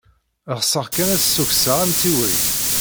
Ɣseɣ kan ad d-ssukkseɣ amtiweg.